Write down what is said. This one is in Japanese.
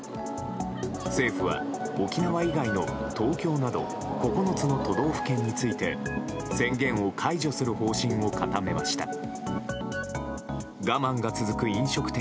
政府は、沖縄以外の東京など９つの都道府県について宣言を解除する方針を固めました。